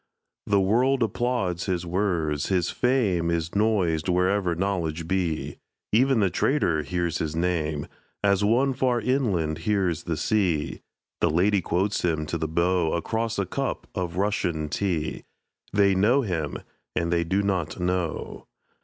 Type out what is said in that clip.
The world applauds his words; his fame Is noised wherever knowledge be; Even the trader hears his name, As one far inland hears the sea; The lady quotes him to the beau Across a cup of Russian tea; They know him and they do not know.